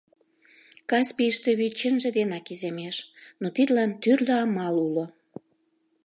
Каспийыште вӱд чынже денак иземеш, но тидлан тӱрлӧ амал уло.